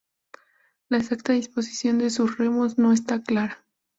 La exacta disposición de sus remos no está clara.